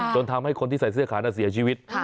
จนทำให้คนที่ใส่เสื้อขาเสียชีวิต